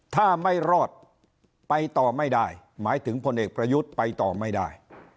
ถ้าไม่รอดไปต่อไม่ได้หมายถึงพลเอกประยุทธ์ไปต่อไม่ได้